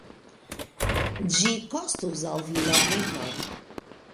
Ĝi kostus al vi la vivon.